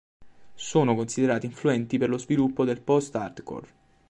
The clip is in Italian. Sono considerati influenti per lo sviluppo del post-hardcore.